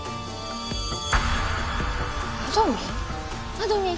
あどミン？